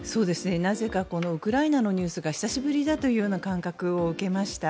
なぜかこのウクライナのニュースが久しぶりだというような感覚を受けました。